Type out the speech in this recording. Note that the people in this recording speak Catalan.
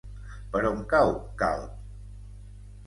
Per on cau Calp?